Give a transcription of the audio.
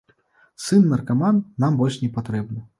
Сын-наркаман нам больш не патрэбны!